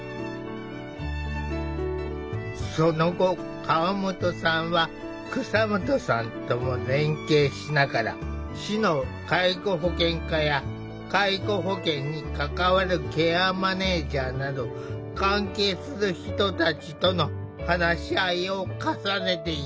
その後河本さんは蒼下さんとも連携しながら市の介護保険課や介護保険に関わるケアマネージャーなど関係する人たちとの話し合いを重ねていった。